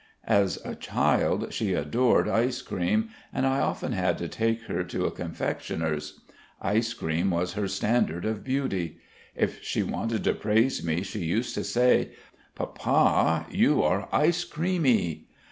As a child she adored ice cream, and I often had to take her to a confectioner's. Ice cream was her standard of beauty. If she wanted to praise me, she used to say: "Papa, you are ice creamy."